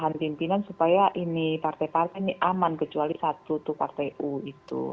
dengan pimpinan supaya ini partai partai ini aman kecuali satu tuh partai u itu